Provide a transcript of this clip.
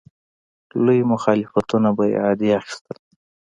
لوی مخالفتونه به یې عادي اخیستل.